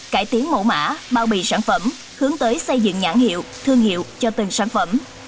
cải tiến mẫu mã bao bì sản phẩm hướng tới xây dựng nhãn hiệu thương hiệu cho từng sản phẩm